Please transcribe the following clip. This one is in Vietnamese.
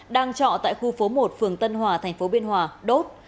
đang trọ tại khu phố một phường tân hòa tp biên hòa đốt